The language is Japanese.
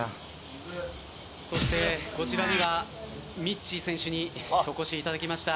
そして、こちらにはみっちー選手にお越しいただきました。